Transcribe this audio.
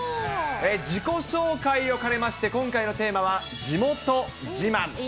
自己紹介を兼ねまして、今回のテーマは地元自慢。